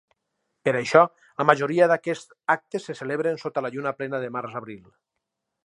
Per això, la majoria d'aquests actes se celebren sota la lluna plena de març-abril.